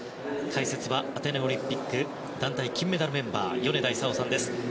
解説はアテネオリンピック団体金メダルメンバー米田功さんです。